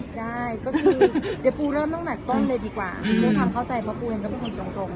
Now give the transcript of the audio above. ได้เดี๋ยวพูเริ่มต้องเลยดีผมข้าวใจเพราะพูเองก็เป็นคนตรง